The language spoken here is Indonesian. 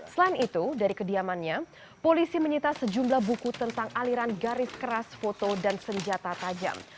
selain itu dari kediamannya polisi menyita sejumlah buku tentang aliran garis keras foto dan senjata tajam